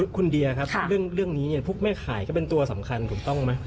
คุณเดียครับเรื่องนี้พวกแม่ขายก็เป็นตัวสำคัญถูกต้องไหม